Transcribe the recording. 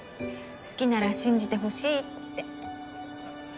好きなら信じてほしいって。